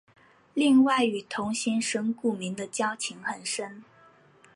另外与同行神谷明的交情很深。